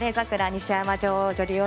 西山女王・女流王将。